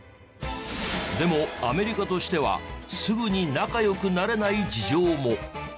でもアメリカとしてはすぐに仲良くなれない事情も。